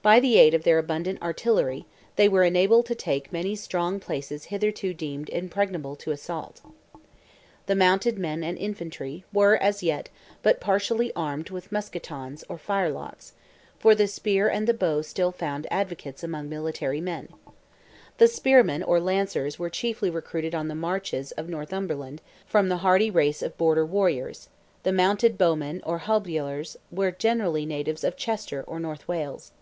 By the aid of their abundant artillery, they were enabled to take many strong places hitherto deemed impregnable to assault. The mounted men and infantry, were, as yet, but partially armed with musquetons, or firelocks—for the spear and the bow still found advocates among military men. The spearmen or lancers were chiefly recruited on the marches of Northumberland from the hardy race of border warriors; the mounted bowmen or hobilers were generally natives of Chester or North Wales.